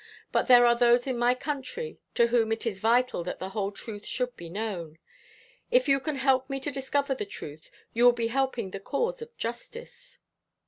But there are those in my country to whom it is vital that the whole truth should be known. If you can help me to discover the truth, you will be helping the cause of justice."